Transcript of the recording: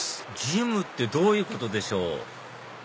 ジムってどういうことでしょう？